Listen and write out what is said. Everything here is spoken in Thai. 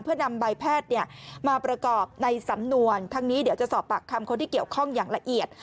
เพื่อนำใบแพทย์มาประกอบในสำนวนทั้งนี้เดี๋ยวจะสอบปากคำคนที่เกี่ยวข้องอย่างละเอียด